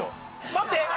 待って！